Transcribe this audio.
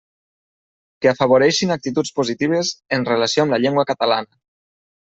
Que afavoreixin actituds positives en relació amb la llengua catalana.